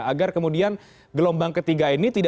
agar kemudian gelombang ketiga ini tidak berubah